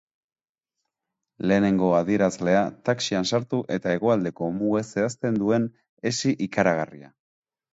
Lehenengo adierazlea, taxian sartu eta hegoaldeko muga zehazten duen hesi ikaragarria.